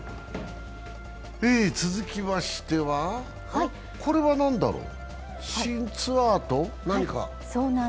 続きましてはこれは何だろう、新ツアーと何か？